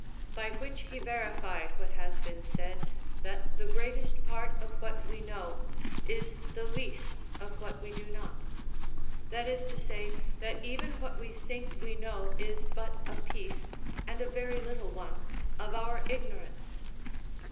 By which he verified what has been said, that the greatest part of what we know is the least of what we do not; that is to say, that even what we think we know is but a piece, and a very little one, of our ignorance.